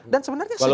dan sebenarnya sejalan